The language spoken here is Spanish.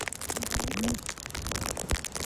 A quien le importa.